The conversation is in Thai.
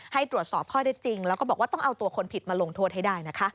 ให้ตรวจสอบข้อได้จริงแล้วก็บอกว่าต้องเอาตัวคนผิดมาลงโทษให้ได้นะคะ